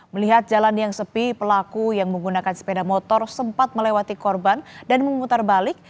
melihat jalan yang sepi pelaku yang menggunakan sepeda motor sempat melewati korban dan memutar balik